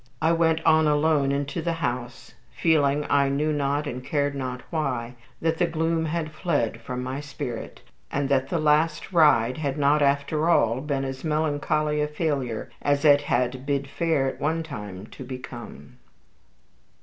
I went on alone into the house, feeling, I knew not and cared not to know why, that the gloom had fled from my spirit, and that the last ride had not after all been such a melancholy failure as it had bid fair at one time to become.